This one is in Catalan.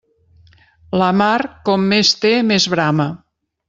La mar com més té més brama.